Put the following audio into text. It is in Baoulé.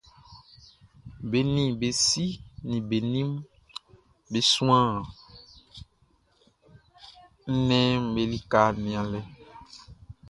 Be nin be si nin be nin be suan nnɛnʼm be lika nianlɛ.